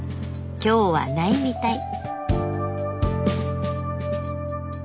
今日はないみたい。